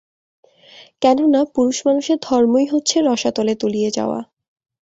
কেননা, পুরুষমানুষের ধর্মই হচ্ছে রসাতলে তলিয়ে যাওয়া।